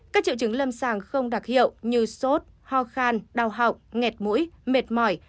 các triệu chứng lâm sàng không đặc hiệu như sốt ho khan đau họng nghẹt mũi mệt mỏi